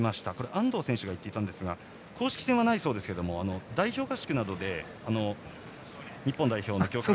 安藤選手から聞いたんですが公式戦はないそうですが代表合宿などで日本代表の強化